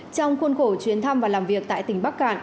trong khuôn khổ chuyến thăm và làm việc tại tỉnh bắc cạn